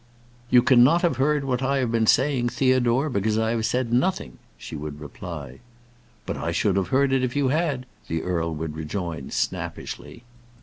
"You cannot have heard what I have been saying, Theodore, because I have said nothing," she would reply. "But I should have heard it if you had," the earl would rejoin, snappishly.